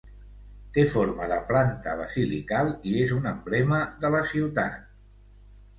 Té forma de planta basilical i és un emblema de la ciutat.